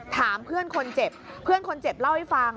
ถามเพื่อนคนเจ็บเพื่อนคนเจ็บเล่าให้ฟัง